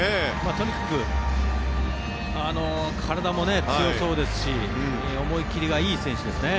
とにかく体も強そうですし思い切りがいい選手ですね。